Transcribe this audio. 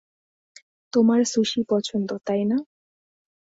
তোমার সুশি পছন্দ তাই না?